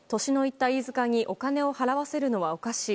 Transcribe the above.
年のいった飯塚にお金を払わせるのはおかしい。